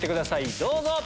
どうぞ！